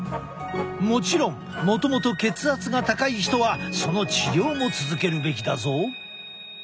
もちろんもともと血圧が高い人はその治療も続けるべきだぞ。